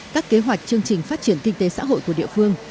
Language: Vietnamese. các kế hoạch chương trình phát triển kinh tế xã hội của địa phương